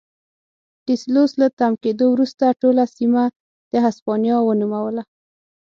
ډي سلوس له تم کېدو وروسته ټوله سیمه د هسپانیا ونوموله.